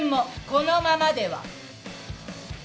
このままでは。